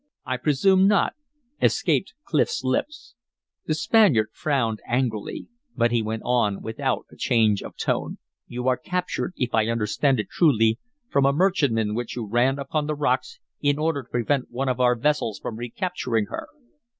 "I presume not," escaped Clif's lips. The Spaniard frowned angrily, but he went on without a change of tone. "You were captured, if I understand it truly, from a merchantman which you ran upon the rocks in order to prevent one of our vessels from recapturing her?"